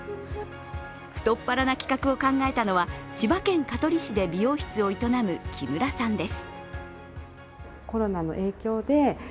太っ腹な企画を考えたのは、千葉県香取市で美容室を営む木村さんです。